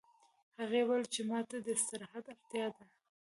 هغې وویل چې ما ته د استراحت اړتیا ده